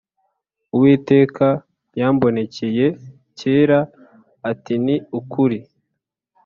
Uwiteka yambonekeye kera ati Ni ukuri